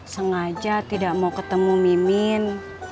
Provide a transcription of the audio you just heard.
sengaja tidak mau ketemu mimin